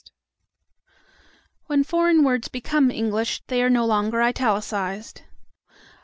When foreign words become English, they are no longer italicized.